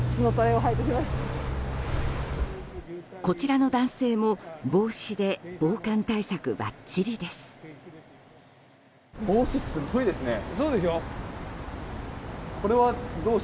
こちらの男性も帽子で防寒対策ばっちりです。